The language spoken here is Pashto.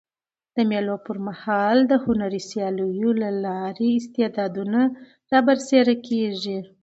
د مېلو پر مهال د هنري سیالیو له لاري استعدادونه رابرسېره کېږي.